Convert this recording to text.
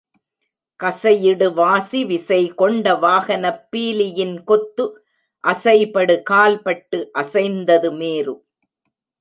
கசையிடு வாசி விசைகொண்ட வாகனப் பீலியின்கொத்து அசைபடு கால்பட்டு அசைந்தது மேரு.